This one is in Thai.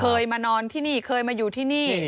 เคยมานอนที่นี่เคยมาอยู่ที่นี่